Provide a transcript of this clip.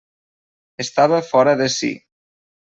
Estava fora de si.